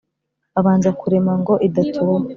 babanza kurema ngo idatuba.